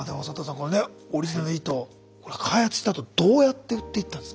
これねオリジナル糸開発したあとどうやって売っていったんですか？